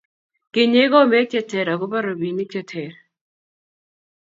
Kinyei komek che ter akubo robinik che ter